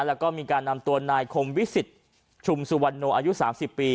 แล้วก็มีการนำตัวนายคมวิสิตชุมสุวรรณโนอายุ๓๐ปี